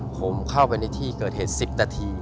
ผมเข้าไปในที่เกิดเหตุ๑๐นาที